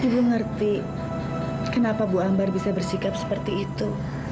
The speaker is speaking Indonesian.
ibu ngerti kenapa bu ambar bisa bersikap seperti itu